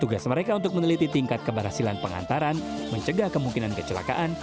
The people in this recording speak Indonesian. tugas mereka untuk meneliti tingkat keberhasilan pengantaran mencegah kemungkinan kecelakaan